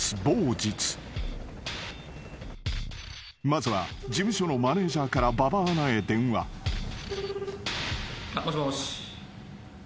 ［まずは事務所のマネジャーから馬場アナへ電話］もしもし。